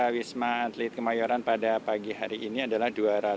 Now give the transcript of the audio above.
wisma atlet kemayoran pada pagi hari ini adalah dua ratus dua puluh sembilan